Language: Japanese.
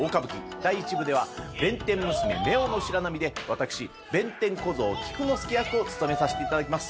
第１部では、弁天娘、のしらなみで、弁天小僧、きくのすけ役を務めさせていただきます。